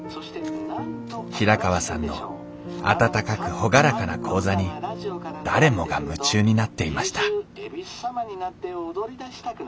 平川さんの温かく朗らかな講座に誰もが夢中になっていました